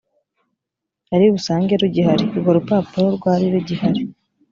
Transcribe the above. ari busange rugihari urwo rupapuro rwari rugihari